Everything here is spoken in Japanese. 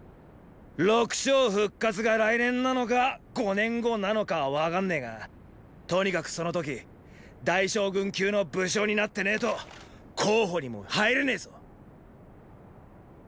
六将復活が来年なのか五年後なのか分かんねェがとにかくその時大将軍級の武将になってねェと候補にも入れねェぞ。